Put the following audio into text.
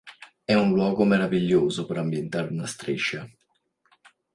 È un luogo meraviglioso per ambientare una striscia.